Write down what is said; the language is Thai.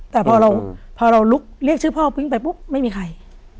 แต่พอเราลุกเรียกชื่อพ่อพึ่งไปปุ๊บไม่มีใคร